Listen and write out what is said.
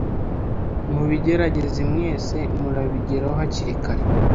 Mubigerageze mwese murabigeraho hakiri kare